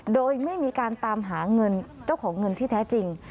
โดยไม่มีการตามหาเงินเจ้าของเงินที่แท้จริง